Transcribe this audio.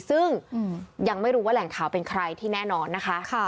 ซึ่งยังไม่รู้ว่าแหล่งข่าวเป็นใครที่แน่นอนนะคะ